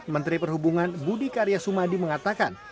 menteri perhubungan budi karyasumadi mengatakan